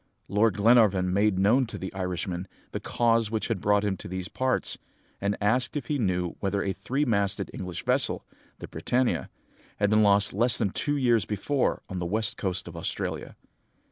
Lord Glenarvan made known to the Irishman the cause which had brought him to these parts, and asked if he knew whether a three masted English vessel, the Britannia, had been lost less than two years before on the west coast of Australia.